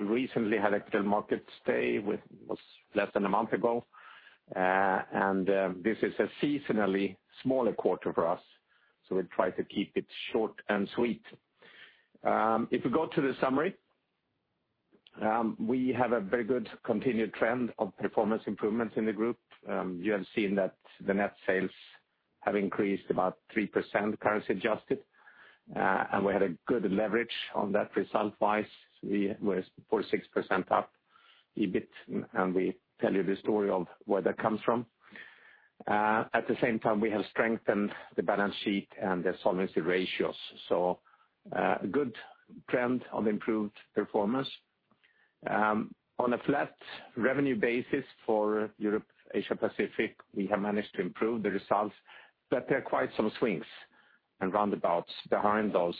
We recently had a Capital Markets Day, it was less than a month ago. This is a seasonally smaller quarter for us, we'll try to keep it short and sweet. If you go to the summary, we have a very good continued trend of performance improvements in the group. You have seen that the net sales have increased about 3%, currency adjusted, we had a good leverage on that result-wise. We were 46% up EBIT, we tell you the story of where that comes from. At the same time, we have strengthened the balance sheet and the solvency ratios. A good trend of improved performance. On a flat revenue basis for Europe & Asia/Pacific, we have managed to improve the results, there are quite some swings and roundabouts behind those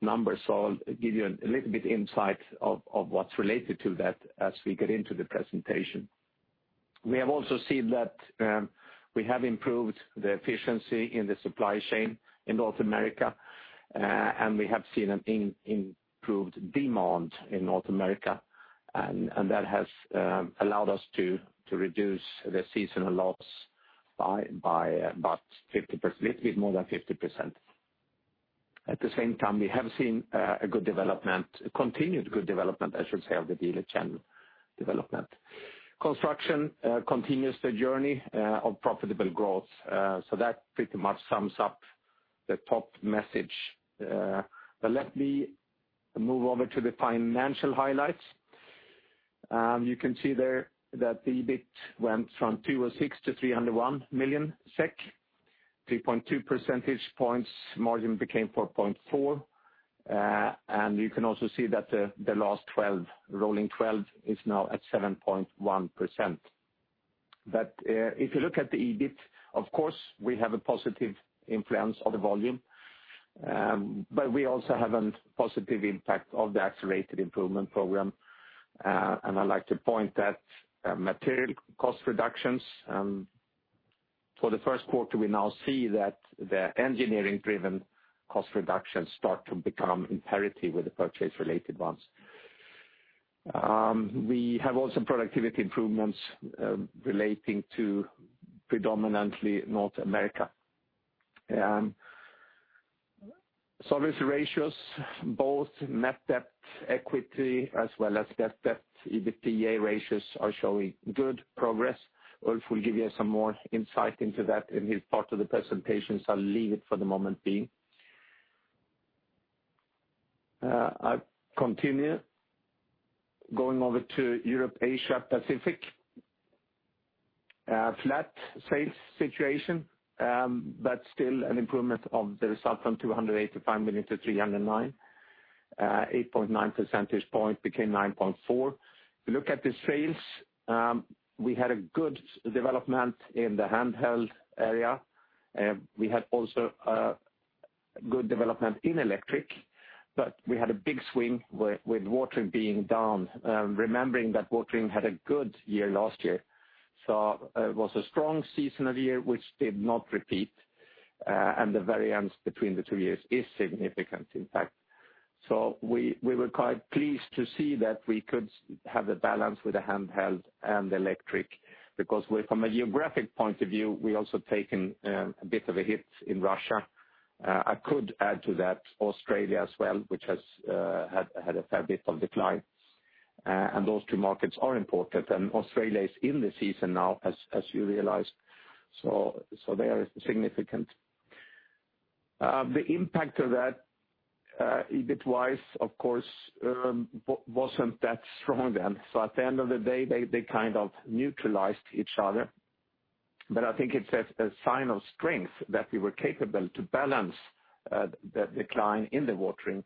numbers. I'll give you a little bit insight of what's related to that as we get into the presentation. We have also seen that we have improved the efficiency in the supply chain in North America, we have seen an improved demand in North America, that has allowed us to reduce the seasonal loss by about a little bit more than 50%. At the same time, we have seen a continued good development, I should say, of the dealer channel development. Construction continues the journey of profitable growth. That pretty much sums up the top message. Let me move over to the financial highlights. You can see there that the EBIT went from 206 million SEK to 301 million SEK, 3.2 percentage points, margin became 4.4. You can also see that the last rolling 12 is now at 7.1%. If you look at the EBIT, of course, we have a positive influence of the volume, we also have a positive impact of the Accelerated Improvement Program. I'd like to point that material cost reductions. For the first quarter, we now see that the engineering-driven cost reductions start to become imperative with the purchase-related ones. We have also productivity improvements relating to predominantly North America. Solvency ratios, both net debt/equity ratio as well as net debt, EBITDA ratios are showing good progress. Ulf will give you some more insight into that in his part of the presentation, I'll leave it for the moment being. I continue going over to Europe & Asia/Pacific. A flat sales situation, still an improvement of the result from 285 million to 309 million, 8.9 percentage point became 9.4. If you look at the sales, we had a good development in the handheld area. We had also a good development in electric, we had a big swing with watering being down, remembering that watering had a good year last year. It was a strong seasonal year which did not repeat, the variance between the two years is significant, in fact. We were quite pleased to see that we could have the balance with the handheld and electric, from a geographic point of view, we also taken a bit of a hit in Russia. I could add to that Australia as well, which has had a fair bit of decline. Those two markets are important, Australia is in the season now, as you realize. They are significant. The impact of that, EBIT-wise, of course, wasn't that strong then. At the end of the day, they kind of neutralized each other. I think it's a sign of strength that we were capable to balance the decline in the watering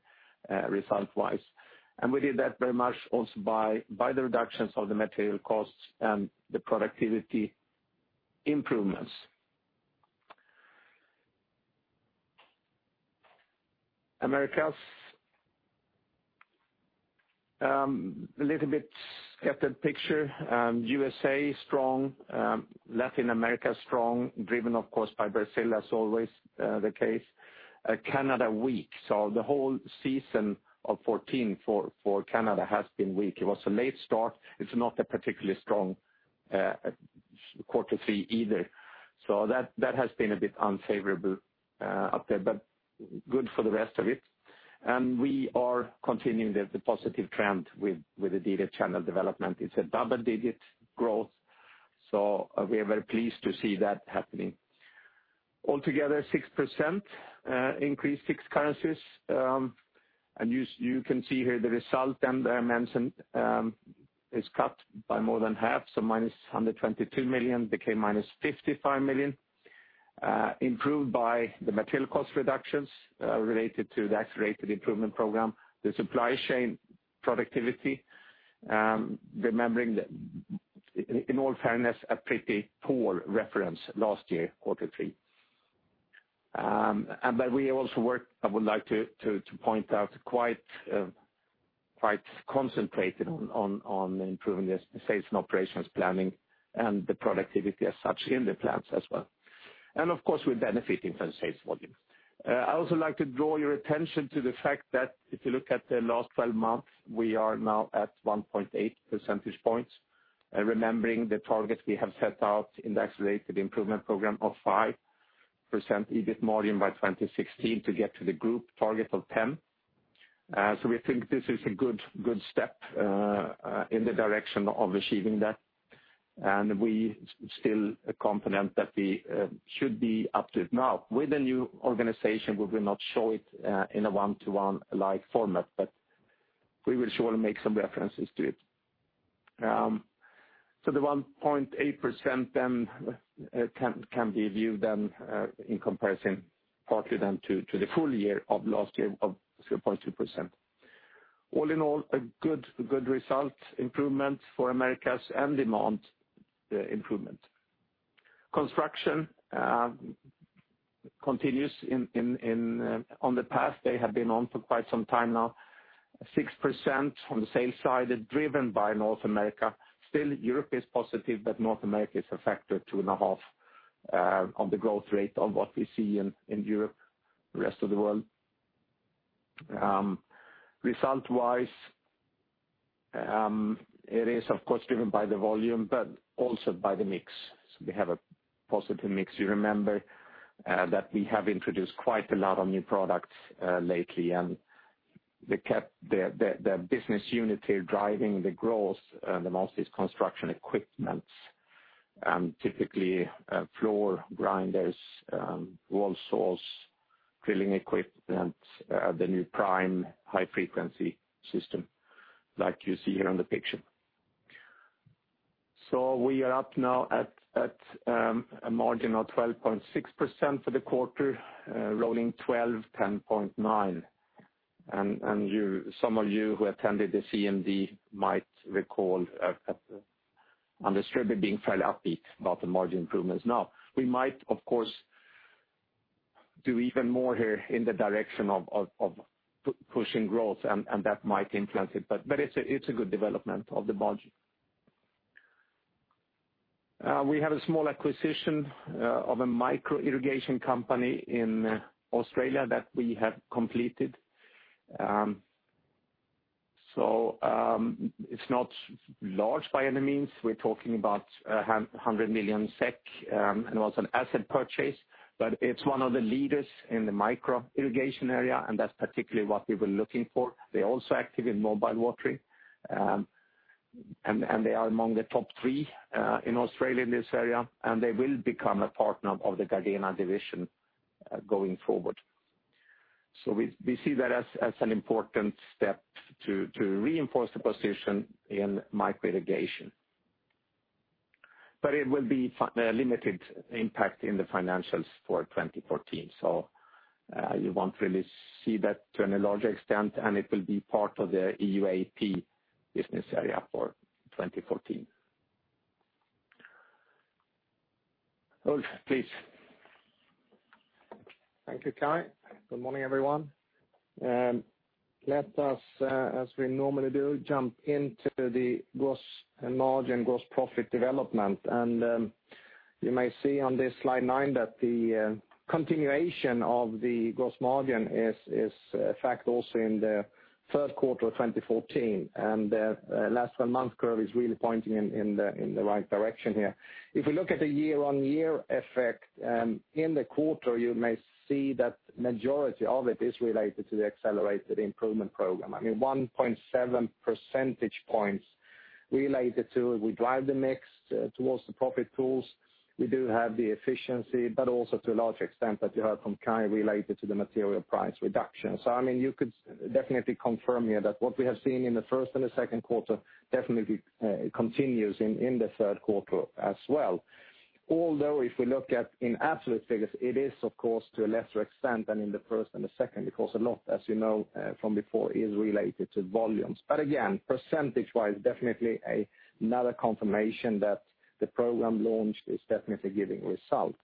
result-wise. We did that very much also by the reductions of the material costs and the productivity improvements. Americas, a little bit scattered picture. USA, strong. Latin America, strong, driven, of course, by Brazil as always the case. Canada, weak. The whole season of 2014 for Canada has been weak. It was a late start. It's not a particularly strong quarter three either. That has been a bit unfavorable up there, but good for the rest of it. We are continuing the positive trend with the dealer channel development. It's a double-digit growth, so we are very pleased to see that happening. Altogether, 6% increase fixed currencies. You can see here the result, I mentioned is cut by more than half, minus 122 million became minus 55 million, improved by the material cost reductions related to the Accelerated Improvement Program, the supply chain productivity, remembering that, in all fairness, a pretty poor reference last year, quarter three. We also work, I would like to point out, quite concentrated on improving the sales and operations planning and the productivity as such in the plants as well. Of course, we benefit in sales volume. I also like to draw your attention to the fact that if you look at the last 12 months, we are now at 1.8 percentage points. Remembering the targets we have set out in the Accelerated Improvement Program of 5% EBIT margin by 2016 to get to the group target of 10%. We think this is a good step in the direction of achieving that, and we're still confident that we should be up to it now. With the new organization, we will not show it in a one-to-one like format, but we will surely make some references to it. The 1.8% then can be viewed in comparison partly then to the full year of last year of 3.2%. All in all, a good result, improvement for Americas, and demand improvement. Construction continues on the path they have been on for quite some time now, 6% on the sales side is driven by North America. Still Europe is positive, but North America is a factor two and a half on the growth rate of what we see in Europe, the rest of the world. Result-wise, it is of course driven by the volume, but also by the mix. We have a positive mix. You remember that we have introduced quite a lot of new products lately, the business unit here driving the growth the most is construction equipment. Typically, floor grinders, wall saws, drilling equipment, the new PRIME high-frequency system, like you see here on the picture. We are up now at a margin of 12.6% for the quarter, rolling 12, 10.9%. Some of you who attended the CMD might recall understood me being fairly upbeat about the margin improvements. We might of course, do even more here in the direction of pushing growth, and that might influence it. But it's a good development of the margin. We have a small acquisition of a micro-irrigation company in Australia that we have completed. It's not large by any means. We're talking about 100 million SEK, and it was an asset purchase, but it's one of the leaders in the micro-irrigation area, and that's particularly what we were looking for. They're also active in mobile watering, and they are among the top 3 in Australia in this area, and they will become a partner of the Gardena division going forward. We see that as an important step to reinforce the position in micro-irrigation. It will be limited impact in the financials for 2014, so you won't really see that to any large extent, and it will be part of the EUAP business area for 2014. Ulf, please. Thank you, Kai. Good morning, everyone. Let us, as we normally do, jump into the gross margin, gross profit development. You may see on this slide nine that the continuation of the gross margin is a fact also in the third quarter of 2014. The last 12 months curve is really pointing in the right direction here. If we look at the year-on-year effect in the quarter, you may see that majority of it is related to the Accelerated Improvement Program. I mean, 1.7 percentage points related to we drive the mix towards the profit pools. We do have the efficiency, but also to a large extent that you heard from Kai related to the material price reduction. You could definitely confirm here that what we have seen in the first and the second quarter definitely continues in the third quarter as well. Although if we look at in absolute figures, it is of course to a lesser extent than in the first and the second, because a lot, as you know from before, is related to volumes. Again, percentage-wise, definitely another confirmation that the program launch is definitely giving results.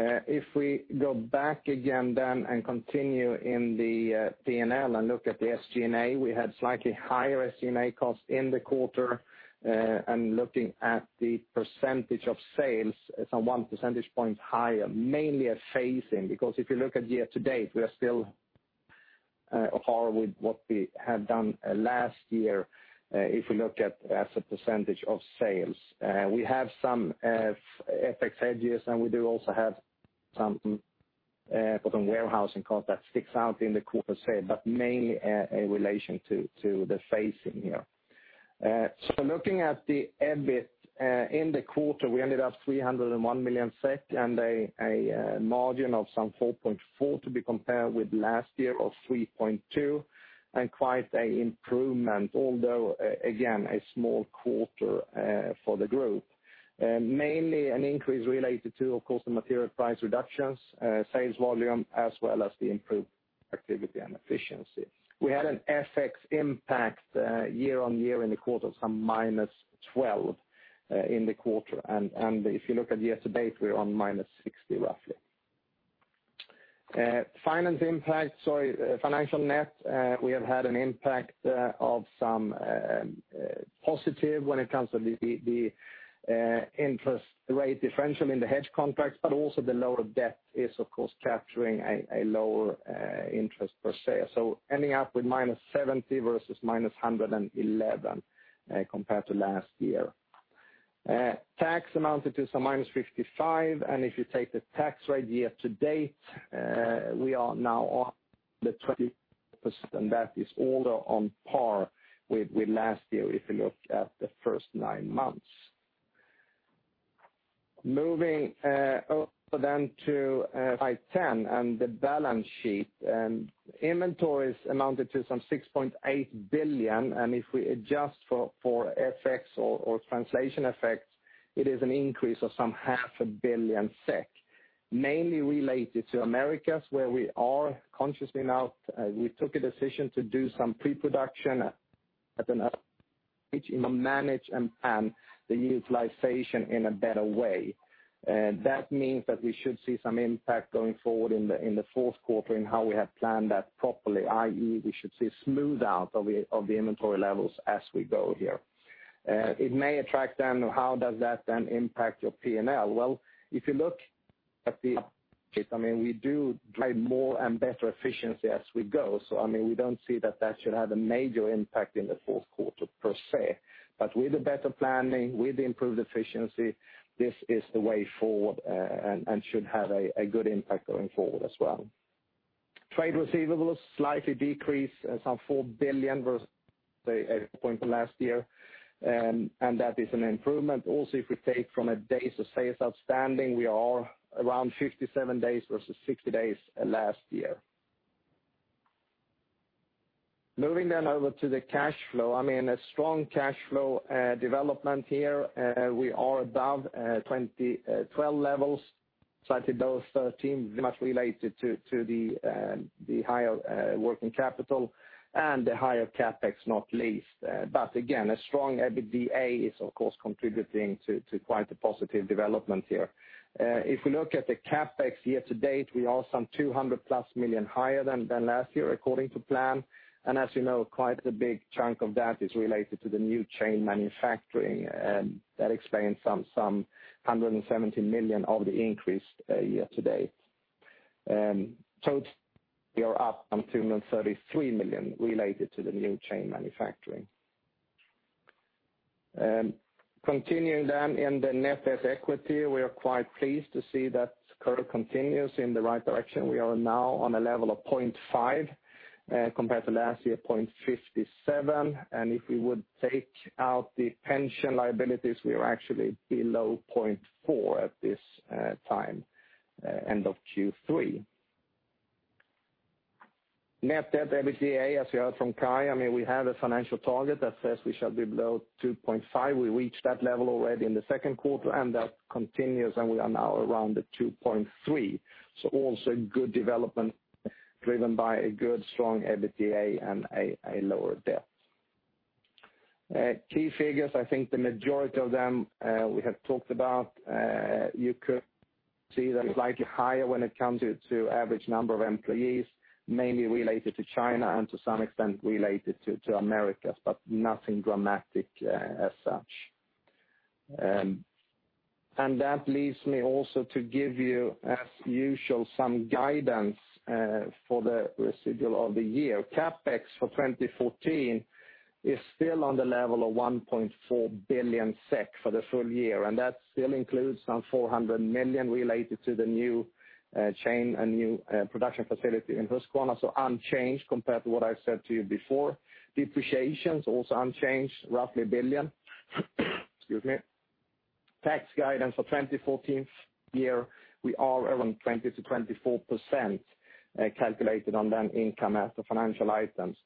If we go back again then and continue in the P&L and look at the SG&A, we had slightly higher SG&A costs in the quarter. Looking at the percentage of sales, it's one percentage point higher, mainly a phasing, because if you look at year-to-date, we are still par with what we had done last year, if we look at as a percentage of sales. We have some FX hedges, and we do also have some warehousing cost that sticks out in the quarter, say, but mainly a relation to the phasing here. Looking at the EBIT, in the quarter, we ended up 301 million SEK and a margin of some 4.4% to be compared with last year of 3.2%, and quite a improvement, although again, a small quarter for the group. Mainly an increase related to, of course, the material price reductions, sales volume, as well as the improved productivity and efficiency. We had an FX impact year-on-year in the quarter of some -12 in the quarter. If you look at year-to-date, we're on -60 roughly. Finance impact, sorry, financial net, we have had an impact of some positive when it comes to the interest rate differential in the hedge contracts, but also the lower debt is, of course, capturing a lower interest per se. Ending up with -70 versus -111 compared to last year. Tax amounted to some -55. If you take the tax rate year to date, we are now on the 20%, that is all on par with last year, if you look at the first nine months. Moving over to slide 10 and the balance sheet. Inventories amounted to some 6.8 billion, if we adjust for FX or translation effects, it is an increase of some half a billion SEK, mainly related to Americas, where we are consciously now we took a decision to do some pre-production at an manage and plan the utilization in a better way. That means that we should see some impact going forward in the fourth quarter in how we have planned that properly, i.e., we should see a smooth out of the inventory levels as we go here. It may attract then how does that then impact your P&L. Well, if you look at, I mean, we do drive more and better efficiency as we go. We don't see that that should have a major impact in the fourth quarter per se. With the better planning, with the improved efficiency, this is the way forward, and should have a good impact going forward as well. Trade receivables slightly decreased some 4 billion versus point last year, and that is an improvement. Also, if we take from a days sales outstanding, we are around 57 days versus 60 days last year. Moving over to the cash flow. A strong cash flow development here. We are above 2012 levels, slightly below 2013, very much related to the higher working capital and the higher CapEx, not least. Again, a strong EBITDA is, of course, contributing to quite a positive development here. If we look at the CapEx year to date, we are some 200+ million higher than last year according to plan. As you know, quite a big chunk of that is related to the new chain manufacturing, that explains some 170 million of the increase year to date. We are up some 233 million related to the new chain manufacturing. Continuing in the net debt equity, we are quite pleased to see that curve continues in the right direction. We are now on a level of 0.5 compared to last year, 0.57. If we would take out the pension liabilities, we are actually below 0.4 at this time, end of Q3. Net debt/EBITDA, as you heard from Kai, we have a financial target that says we shall be below 2.5. We reached that level already in the second quarter, that continues, and we are now around the 2.3. Also good development driven by a good strong EBITDA and a lower debt. Key figures, I think the majority of them we have talked about. You could see that it's slightly higher when it comes to average number of employees, mainly related to China and to some extent related to Americas, but nothing dramatic as such. That leads me also to give you, as usual, some guidance for the residual of the year. CapEx for 2014 is still on the level of 1.4 billion SEK for the full year, that still includes some 400 million related to the new chain and new production facility in Husqvarna. Unchanged compared to what I've said to you before. Depreciations also unchanged, roughly 1 billion. Excuse me. Tax guidance for 2014 year, we are around 20%-24% calculated on that income after financial items.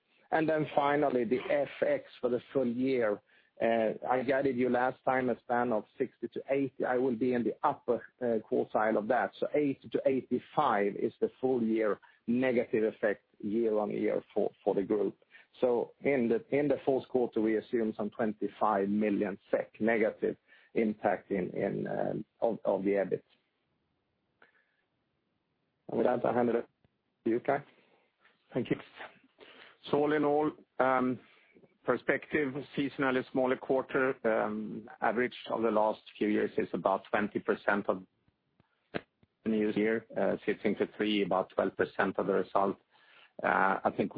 Finally, the FX for the full year. I guided you last time a span of 60-80. I will be in the upper quartile of that. 80-85 is the full year negative effect year-on-year for the group. In the fourth quarter, we assume some 25 million SEK negative impact on the EBIT. With that, I hand it to you, Kai. Thank you. All in all, perspective, seasonally smaller quarter. Average of the last few years is about 20% of new year, Q3 about 12% of the result. I think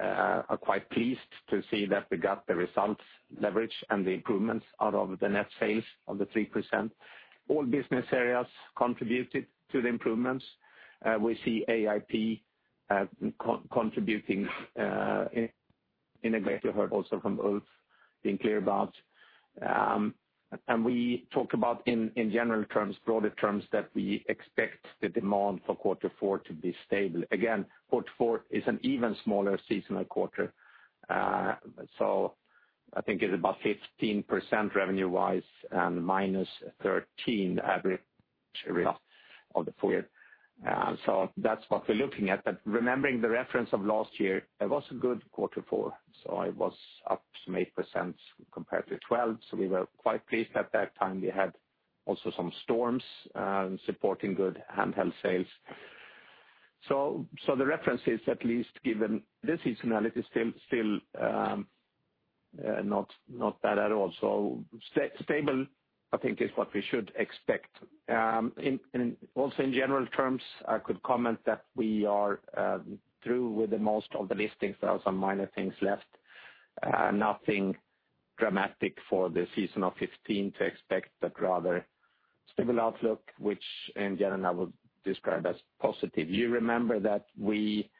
we are quite pleased to see that we got the results leverage and the improvements out of the net sales of the 3%. All business areas contributed to the improvements. We see AIP contributing in a great way, also from Ulf being clear about. We talk about in general terms, broader terms, that we expect the demand for quarter four to be stable. Again, quarter four is an even smaller seasonal quarter. I think it's about 15% revenue-wise, and -13% average of the full year. That's what we're looking at. Remembering the reference of last year, it was a good quarter four, it was up some 8% compared to 2012. We were quite pleased at that time. We had also some storms supporting good handheld sales. The reference is at least given the seasonality is still not bad at all. Stable, I think, is what we should expect. Also, in general terms, I could comment that we are through with the most of the listings. There are some minor things left. Nothing dramatic for the season of 2015 to expect, but rather stable outlook, which in general I would describe as positive. You remember that we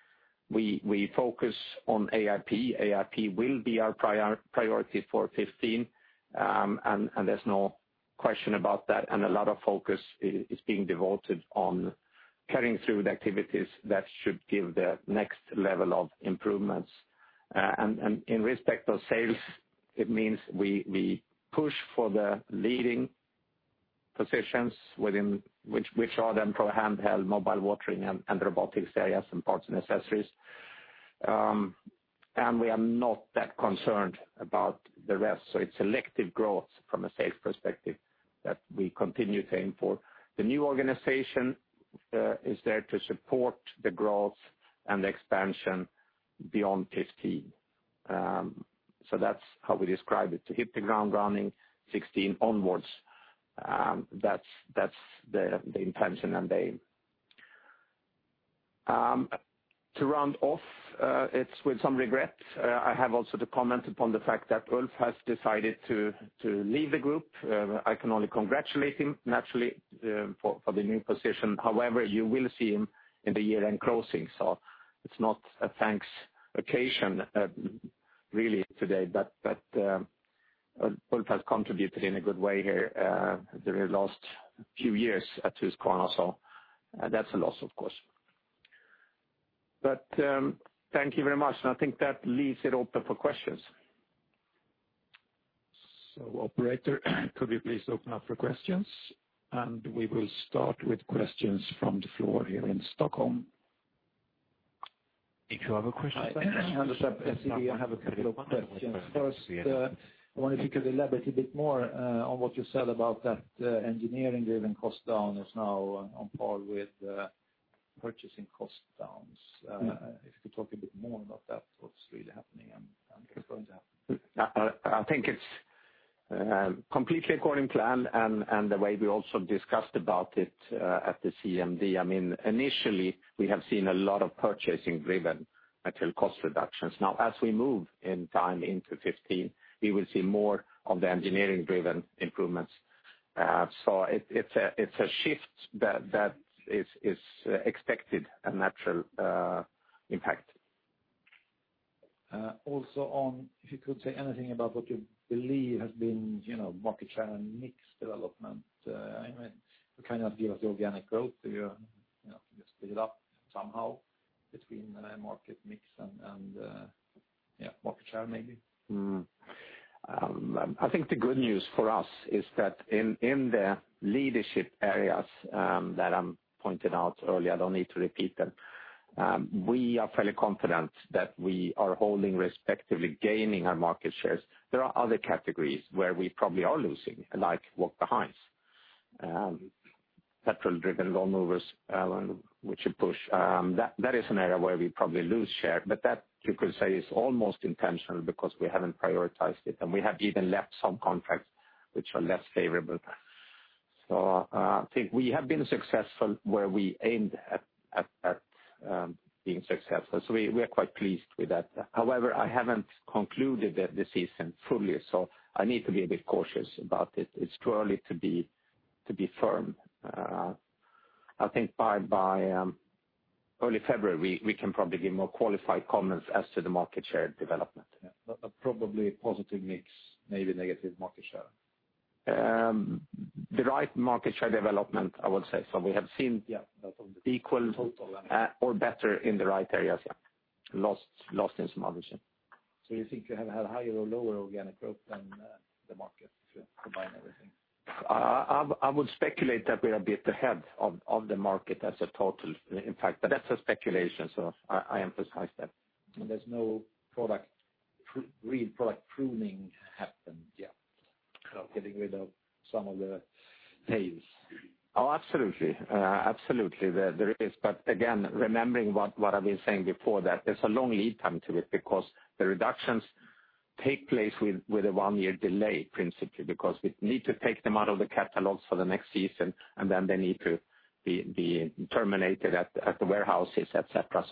focus on AIP. AIP will be our priority for 2015, there's no question about that. A lot of focus is being devoted on carrying through the activities that should give the next level of improvements. In respect of sales, it means we push for the leading positions within which are then PoulanPro handheld, mobile watering, and robotics areas, and parts and accessories. We are not that concerned about the rest. It's selective growth from a sales perspective that we continue to aim for. The new organization is there to support the growth and expansion beyond 2015. That's how we describe it, to hit the ground running 2016 onwards. That's the intention and the aim. To round off, it's with some regret, I have also to comment upon the fact that Ulf has decided to leave the group. I can only congratulate him, naturally, for the new position. However, you will see him in the year-end closing. It's not a thanks occasion really today, but Ulf has contributed in a good way here during the last few years at Husqvarna, so that's a loss of course. Thank you very much, and I think that leaves it open for questions. Operator, could you please open up for questions? We will start with questions from the floor here in Stockholm. If you have a question. Hi, I have a couple of questions. First, I wonder if you could elaborate a bit more on what you said about that engineering-driven cost down is now on par with purchasing cost downs. If you could talk a bit more about that, what's really happening and going to happen. I think it's completely according plan and the way we also discussed about it at the CMD. Initially, we have seen a lot of purchasing-driven material cost reductions. Now as we move in time into 2015, we will see more of the engineering-driven improvements. It's a shift that is expected, a natural impact. If you could say anything about what you believe has been market share and mix development. I mean, to kind of give us the organic growth there, can you split it up somehow between market mix and market share maybe? I think the good news for us is that in the leadership areas that I pointed out earlier, I don't need to repeat them. We are fairly confident that we are holding respectively gaining our market shares. There are other categories where we probably are losing, like walk-behind mowers. Petrol-driven lawn mowers, we should push. That is an area where we probably lose share, but that you could say is almost intentional because we haven't prioritized it, and we have even left some contracts which are less favorable. I think we have been successful where we aimed at being successful. We are quite pleased with that. However, I haven't concluded the season fully, so I need to be a bit cautious about it. It's too early to be firm. I think by early February, we can probably give more qualified comments as to the market share development. Probably positive mix, maybe negative market share. The right market share development, I would say. Yeah equal or better in the right areas. Yeah. Lost in some others. You think you have had higher or lower organic growth than the market to combine everything? I would speculate that we are a bit ahead of the market as a total impact, that's a speculation, I emphasize that. There's no real product pruning happened yet? No. Getting rid of some of the tails. Oh, absolutely. There is. Again, remembering what I've been saying before, that there's a long lead time to it because the reductions take place with a one-year delay, principally because we need to take them out of the catalog for the next season. They need to be terminated at the warehouses, et cetera.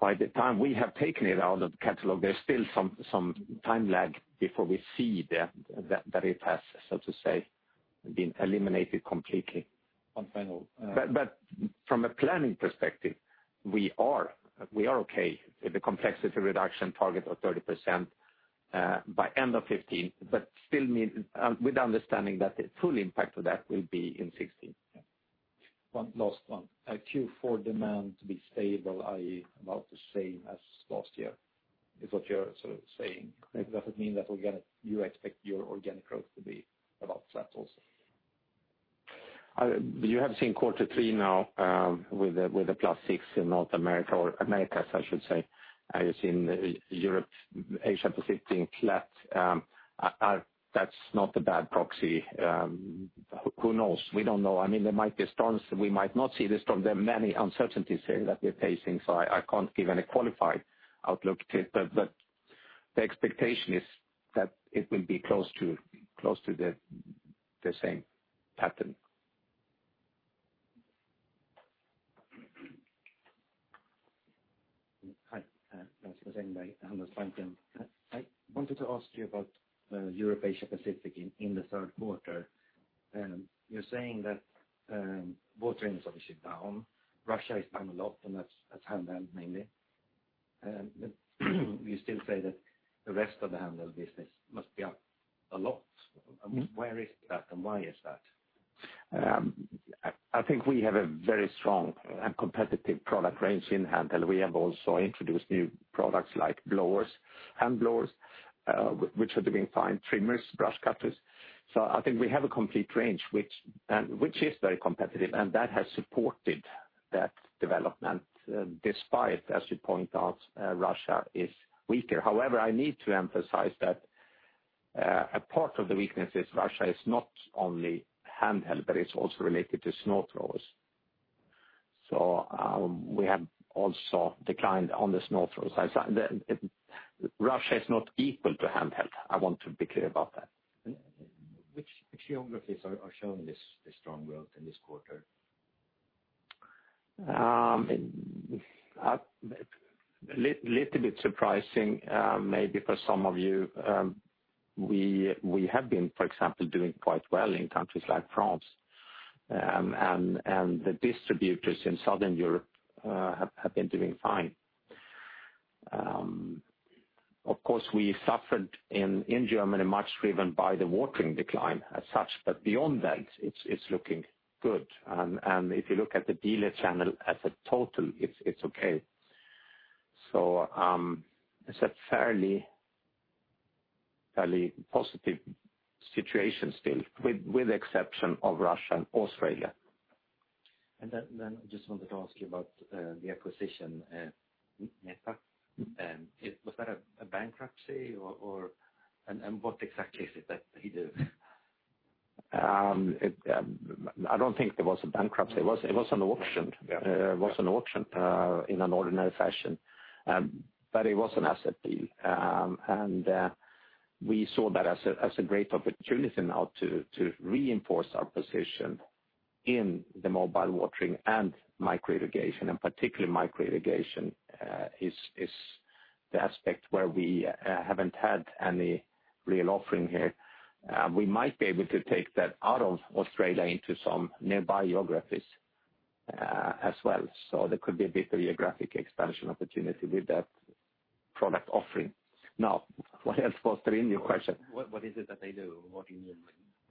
By the time we have taken it out of the catalog, there's still some time lag before we see that it has, so to say, been eliminated completely. One final- From a planning perspective, we are okay with the complexity reduction target of 30% by end of 2015. Still need, with the understanding that the full impact of that will be in 2016. One last one. Q4 demand to be stable, i.e., about the same as last year, is what you're sort of saying. Correct. Does it mean that you expect your organic growth to be about flat also? You have seen quarter three now with a plus six in North America, or Americas I should say. You've seen Europe & Asia/Pacific being flat. That's not a bad proxy. Who knows? We don't know. There might be storms. We might not see the storm. There are many uncertainties here that we're facing, so I can't give any qualified outlook to it. The expectation is that it will be close to the same pattern. Hi. Rasmus Engberg, Handelsbanken. I wanted to ask you about Europe & Asia/Pacific in the third quarter. You're saying that watering is obviously down. Russia is down a lot, and that's handheld mainly. You still say that the rest of the handheld business must be up a lot. Where is that, and why is that? I think we have a very strong and competitive product range in handheld. We have also introduced new products like hand blowers, which are doing fine, trimmers, brush cutters. I think we have a complete range which is very competitive, and that has supported that development, despite, as you point out, Russia is weaker. However, I need to emphasize that a part of the weakness is Russia is not only handheld, but it's also related to snow throwers. We have also declined on the snow throwers. Russia is not equal to handheld, I want to be clear about that. Which geographies are showing this strong growth in this quarter? A little bit surprising, maybe for some of you. We have been, for example, doing quite well in countries like France. The distributors in Southern Europe have been doing fine. Of course, we suffered in Germany much driven by the watering decline as such, beyond that, it's looking good. If you look at the dealer channel as a total, it's okay. It's a fairly positive situation still, with the exception of Russia and Australia. Then I just wanted to ask you about the acquisition, Neta. Was that a bankruptcy, and what exactly is it that they do? I don't think there was a bankruptcy. It was an auction in an ordinary fashion. It was an asset deal. We saw that as a great opportunity now to reinforce our position in the mobile watering and micro-irrigation, and particularly micro-irrigation is the aspect where we haven't had any real offering here. We might be able to take that out of Australia into some nearby geographies as well. There could be a bigger geographic expansion opportunity with that product offering. What else was there in your question? What is it that they do? What do you mean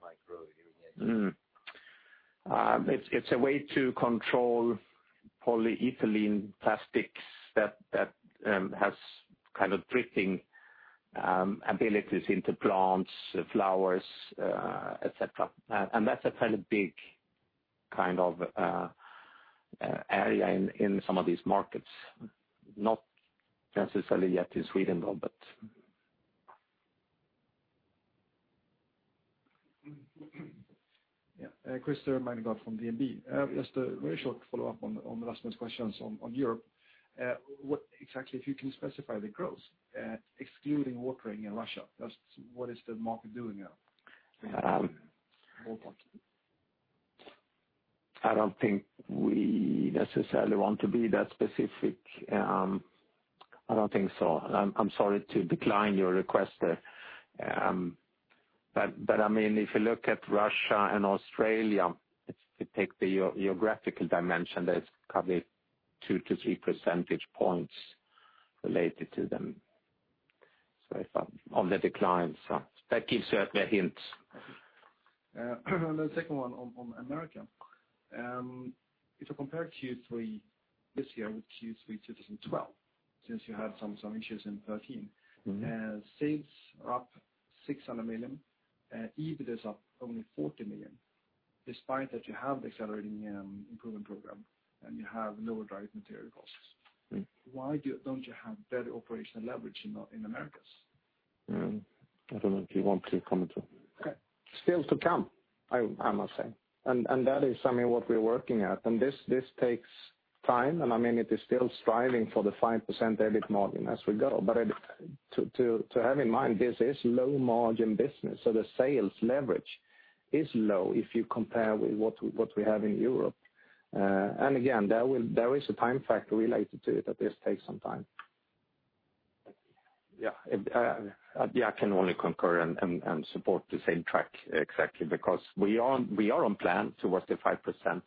by micro-irrigation? It's a way to control polyethylene plastics that has kind of dripping abilities into plants, flowers, et cetera. That's a fairly big area in some of these markets. Not necessarily yet in Sweden, though. Christer Malmgren from DNB. Just a very short follow-up on Rasmus' questions on Europe. What exactly, if you can specify the growth, excluding watering in Russia, just what is the market doing now? I don't think we necessarily want to be that specific. I don't think so. I'm sorry to decline your request there. If you look at Russia and Australia, if you take the geographical dimension, there's probably two to three percentage points related to them on the decline. That gives you a hint. The second one on Americas. If you compare Q3 this year with Q3 2012, since you had some issues in 2013. Sales are up 600 million, EBIT is up only 40 million, despite that you have the Accelerated Improvement Program and you have lower direct material costs. Why don't you have better operational leverage in Americas? I don't know if you want to comment. Okay. Still to come, I must say. That is something what we're working at, and this takes time, and it is still striving for the 5% EBIT margin as we go. To have in mind, this is low-margin business, so the sales leverage is low if you compare with what we have in Europe. Again, there is a time factor related to it that this takes some time. Yeah. I can only concur and support the same track exactly because we are on plan towards the 5%,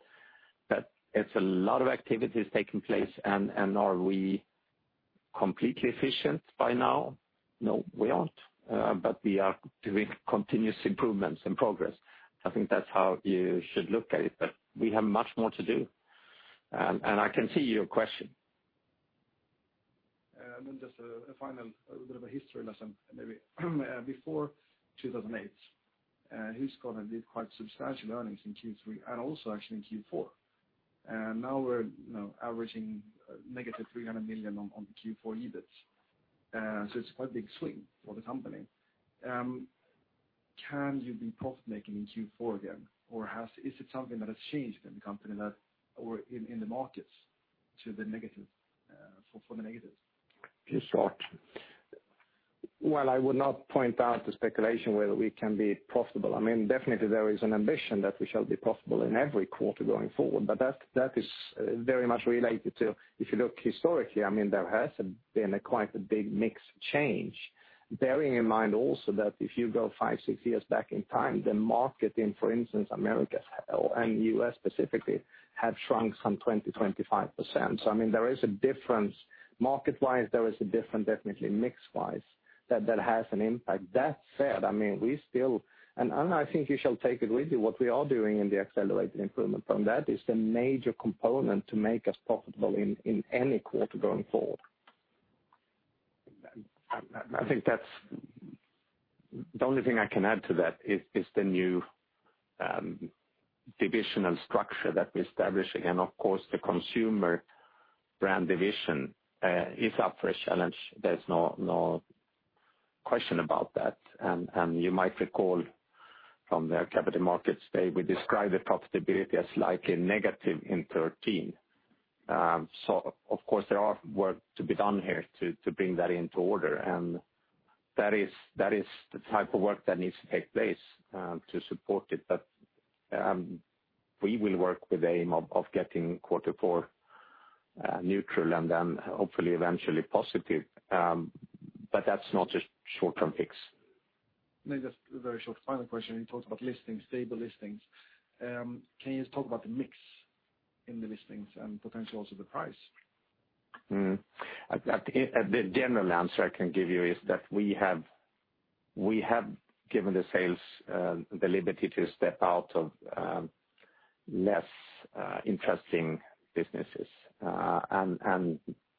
it's a lot of activities taking place, and are we completely efficient by now? No, we aren't. We are doing continuous improvements and progress. I think that's how you should look at it, but we have much more to do. I can see your question. A final, a little bit of a history lesson, maybe. Before 2008, Husqvarna did quite substantial earnings in Q3 and also actually in Q4. Now we're averaging negative 300 million on the Q4 EBIT. It's quite a big swing for the company. Can you be profit-making in Q4 again? Is it something that has changed in the company or in the markets for the negative? In short, while I would not point out the speculation whether we can be profitable, definitely there is an ambition that we shall be profitable in every quarter going forward. That is very much related to, if you look historically, there has been quite a big mix change. Bearing in mind also that if you go five, six years back in time, the market in, for instance, Americas and U.S. specifically, have shrunk some 20%-25%. There is a difference market-wise, there is a difference definitely mix-wise, that has an impact. That said, I think you shall take it with you, what we are doing in the Accelerated Improvement Program, that is the major component to make us profitable in any quarter going forward. I think the only thing I can add to that is the new divisional structure that we established. Again, of course, the Consumer Brands Division is up for a challenge. There's no question about that. You might recall from the Capital Markets Day, we described the profitability as slightly negative in 2013. Of course, there are work to be done here to bring that into order, and that is the type of work that needs to take place to support it. We will work with aim of getting quarter four neutral, and then hopefully eventually positive. That's not a short-term fix. Maybe just a very short final question. You talked about listings, stable listings. Can you just talk about the mix in the listings and potential also the price? The general answer I can give you is that we have given the sales the liberty to step out of less interesting businesses.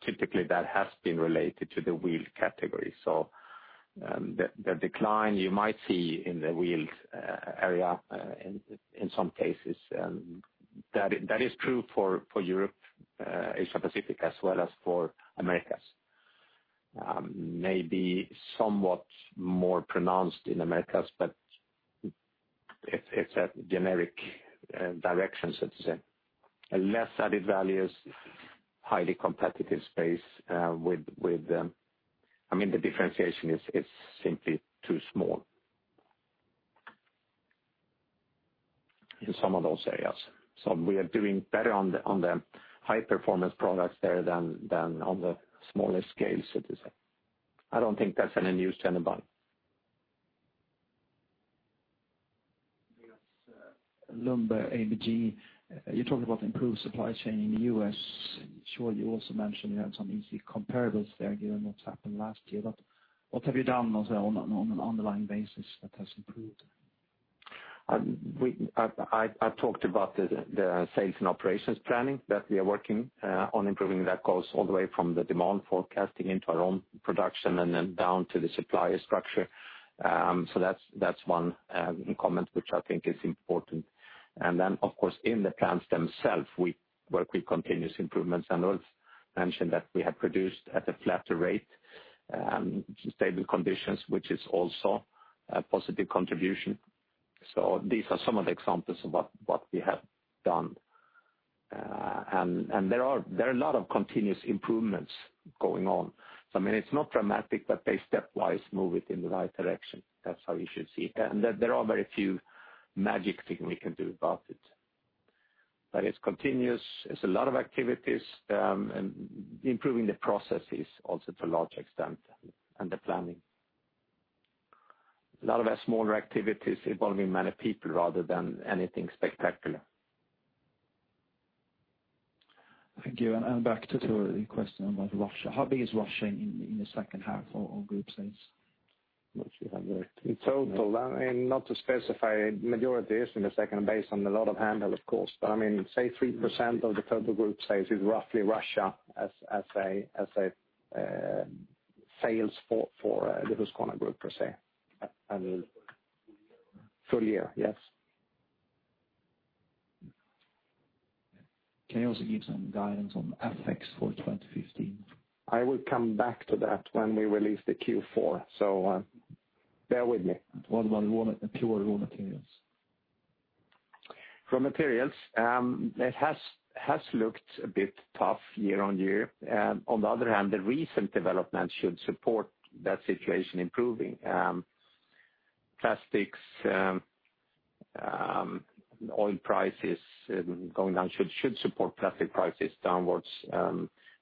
Typically, that has been related to the wheel category. The decline you might see in the wheels area in some cases, that is true for Europe, Asia Pacific, as well as for Americas. Maybe somewhat more pronounced in Americas, but it's a generic direction, so to say. A less added value, highly competitive space. The differentiation is simply too small in some of those areas. We are doing better on the high-performance products there than on the smaller scale, so to say. I don't think that's any news to anybody. Yes. Lundberg, ABG. You talked about improved supply chain in the U.S. Sure, you also mentioned you had some easy comparables there, given what's happened last year. What have you done on an underlying basis that has improved? I talked about the sales and operations planning that we are working on improving that goes all the way from the demand forecasting into our own production, and then down to the supplier structure. That's one comment which I think is important. Then, of course, in the plants themselves, we work with continuous improvements, and Ulf mentioned that we have produced at a flatter rate, stable conditions, which is also a positive contribution. These are some of the examples about what we have done. There are a lot of continuous improvements going on. It's not dramatic, but they stepwise move it in the right direction. That's how you should see it. There are very few magic thing we can do about it. It's continuous. It's a lot of activities, and improving the processes also to a large extent, and the planning. A lot of our smaller activities involving many people rather than anything spectacular. Thank you. Back to the question about Russia. How big is Russia in the second half of group sales? In total? Not to specify, majority is in the second based on a lot of handle, of course. Say 3% of the total group sales is roughly Russia as a sales for the Husqvarna Group, per se. Full year? Full year, yes. Can you also give some guidance on FX for 2015? I will come back to that when we release the Q4. Bear with me. What about pure raw materials? Raw materials, it has looked a bit tough year-on-year. On the other hand, the recent development should support that situation improving. Plastics, oil prices going down should support plastic prices downwards.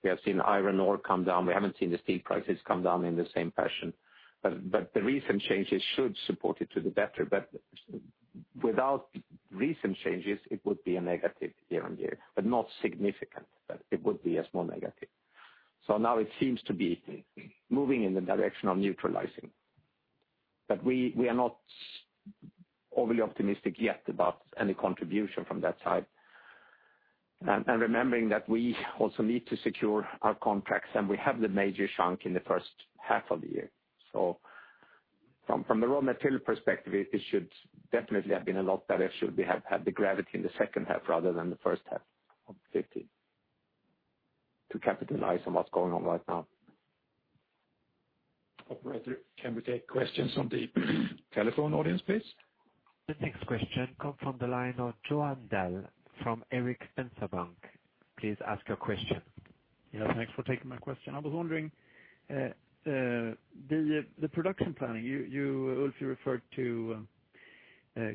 We have seen iron ore come down. We haven't seen the steel prices come down in the same fashion. The recent changes should support it to the better. Without recent changes, it would be a negative year-on-year, but not significant, but it would be a small negative. Now it seems to be moving in the direction of neutralizing. We are not overly optimistic yet about any contribution from that side. Remembering that we also need to secure our contracts, and we have the major chunk in the first half of the year. From the raw material perspective, it should definitely have been a lot better should we have had the gravity in the second half rather than the first half of 2015. To capitalize on what's going on right now. Operator, can we take questions on the telephone audience, please? The next question comes from the line of Johan Dahl from Erik Penser Bank. Please ask your question. Thanks for taking my question. I was wondering, the production planning, you, Ulf, referred to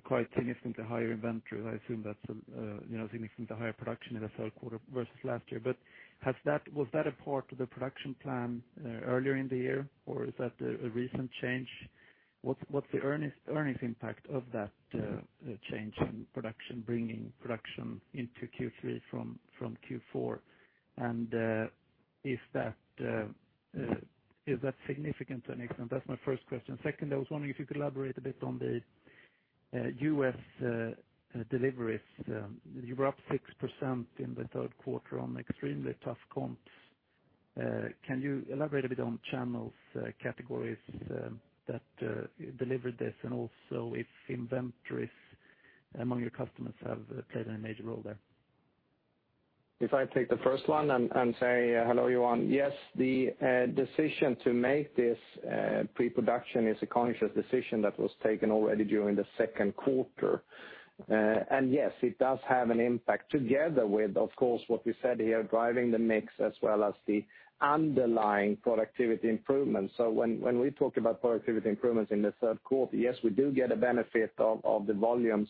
quite significant higher inventory. I assume that is significant higher production in the third quarter versus last year. Was that a part of the production plan earlier in the year or is that a recent change? What is the earnings impact of that change in production, bringing production into Q3 from Q4? Is that significant to an extent? That is my first question. Second, I was wondering if you could elaborate a bit on the U.S. deliveries. You were up 6% in the third quarter on extremely tough comps. Can you elaborate a bit on channels, categories that delivered this, and also if inventories among your customers have played a major role there? If I take the first one and say, hello, Johan. Yes, the decision to make this pre-production is a conscious decision that was taken already during the second quarter. Yes, it does have an impact together with, of course, what we said here, driving the mix as well as the underlying productivity improvement. When we talk about productivity improvements in the third quarter, yes, we do get a benefit of the volumes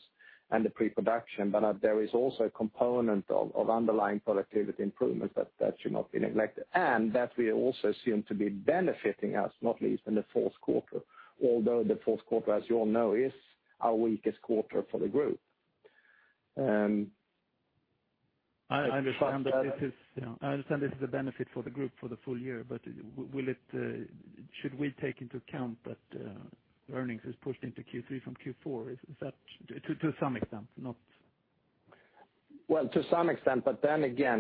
and the pre-production, but there is also a component of underlying productivity improvement that should not be neglected. That we also seem to be benefiting us, not least in the fourth quarter. Although the fourth quarter, as you all know, is our weakest quarter for the group. I understand this is a benefit for the group for the full year, should we take into account that earnings is pushed into Q3 from Q4? To some extent, not. Well, to some extent,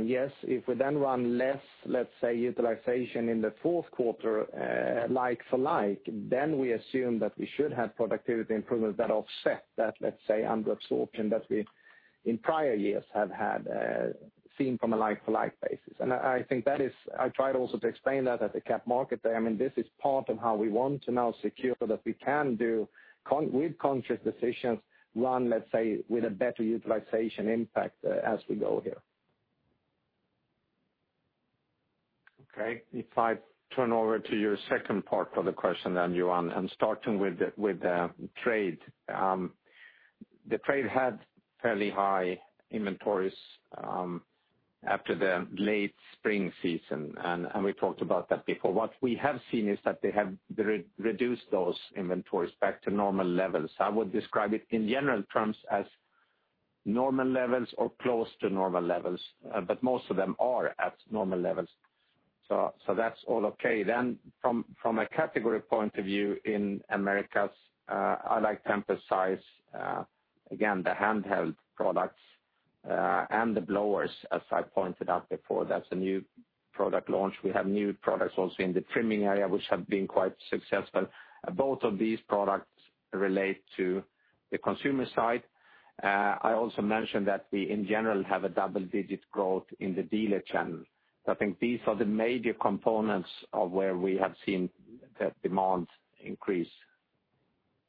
yes, if we then run less, let's say, utilization in the fourth quarter, like for like, then we assume that we should have productivity improvements that offset that, let's say, under absorption that we in prior years have had seen from a like for like basis. I tried also to explain that at the Capital Markets Day there. This is part of how we want to now secure that we can do with conscious decisions, run, let's say, with a better utilization impact as we go here. If I turn over to your second part of the question, Johan, starting with the trade. The trade had fairly high inventories after the late spring season, we talked about that before. What we have seen is that they have reduced those inventories back to normal levels. I would describe it in general terms as normal levels or close to normal levels, but most of them are at normal levels. That's all okay. From a category point of view in Americas, I like to emphasize, again, the handheld products, the blowers, as I pointed out before, that's a new product launch. We have new products also in the trimming area, which have been quite successful. Both of these products relate to the consumer side. I also mentioned that we, in general, have a double-digit growth in the dealer channel. I think these are the major components of where we have seen that demand increase.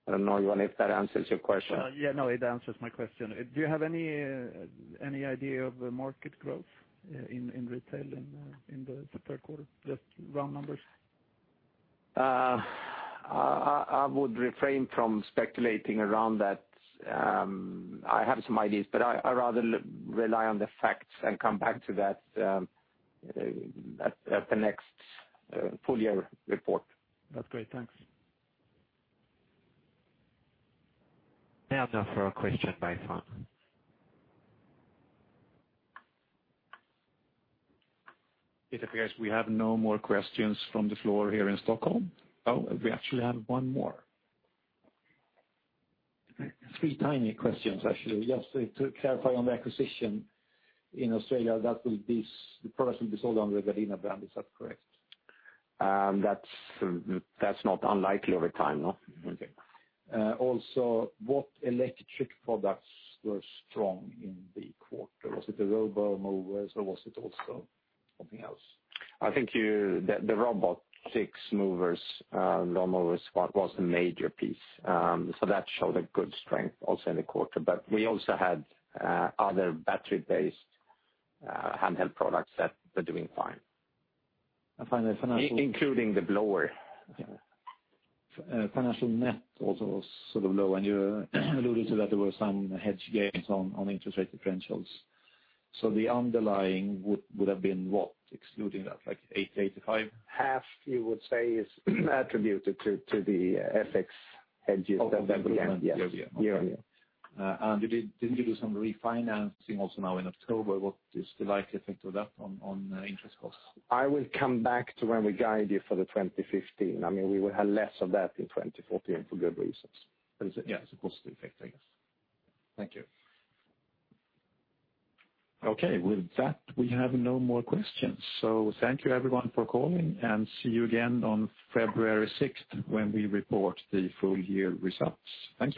I don't know, Johan, if that answers your question. Yeah, no, it answers my question. Do you have any idea of the market growth in retail in the third quarter? Just round numbers. I would refrain from speculating around that. I have some ideas, but I rather rely on the facts and come back to that at the next full year report. That's great. Thanks. We have no further question by phone. It appears we have no more questions from the floor here in Stockholm. Oh, we actually have one more. Three tiny questions, actually. Just to clarify on the acquisition in Australia, the product will be sold under the Gardena brand, is that correct? That's not unlikely over time, no. Okay. What electric products were strong in the quarter? Was it the robot mowers or was it also something else? I think the robotic lawn mowers was the major piece. That showed a good strength also in the quarter. We also had other battery-based handheld products that are doing fine. Finally, financial- Including the blower. Okay. Financial net also was sort of low. You alluded to that there were some hedge gains on interest rate differentials. The underlying would have been what, excluding that, like eight to 85? Half, you would say, is attributed to the FX hedges that we have. Of the improvement year-over-year. Yes. Year-over-year. Okay. Didn't you do some refinancing also now in October? What is the likely effect of that on interest costs? I will come back to when we guide you for 2015. We will have less of that in 2014 for good reasons. It's, yeah, it's a positive effect, I guess. Thank you. Okay, with that, we have no more questions. Thank you everyone for calling, and see you again on February 6th when we report the full year results. Thank you